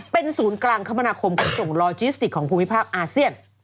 เป็นศูนย์กลางคมนาคมขนส่งลอจิสติกของภูมิภาคอาเซียน